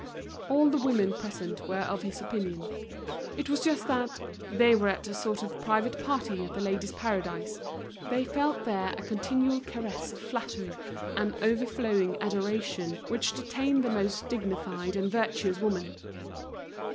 All the women present were of his opinion. It was just that, they were at a sort of private party at The Ladies' Paradise, they felt there a continual caress of flattery, an overflowing adoration which detained the most dignified and virtuous woman.